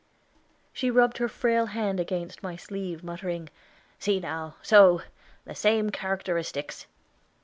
She rubbed her frail hand against my sleeve, muttering, "See now, so! the same characteristics."